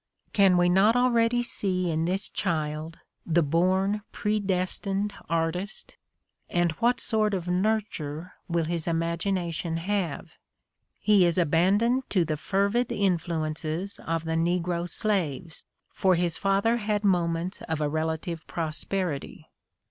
Can we not already see in this child the born, pre destined artist? And what sort of nurture will his imagination have? He is abandoned to the fervid influences of the negro slaves, — for his father had mo ments of a relative prosperity.